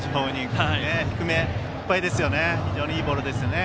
低めいっぱいで非常にいいボールですよね。